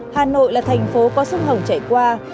hà nội là thành phố có sông hồng chạy qua